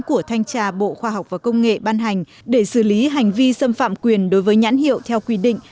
của thanh tra bộ khoa học và công nghệ ban hành để xử lý hành vi xâm phạm quyền đối với nhãn hiệu theo quy định